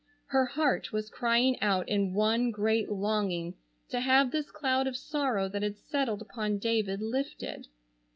Her heart was crying out in one great longing to have this cloud of sorrow that had settled upon David lifted.